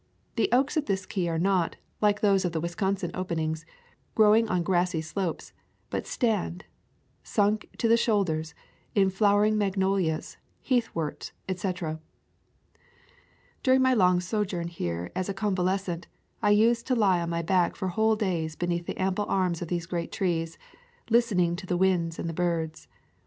The oaks of this key are not, like those of the Wisconsin openings, growing on grassy slopes, but stand, sunk to the shoul ders, in flowering magnolias, heathworts, etc. During my long sojourn here as a convales cent I used to lie on my back for whole days beneath the ample arms of these great trees, listening to the winds and the birds.